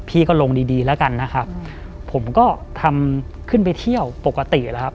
ก็ลงดีดีแล้วกันนะครับผมก็ทำขึ้นไปเที่ยวปกติแล้วครับ